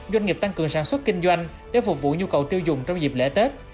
doanh nghiệp tăng cường sản xuất kinh doanh để phục vụ nhu cầu tiêu dùng trong dịp lễ tết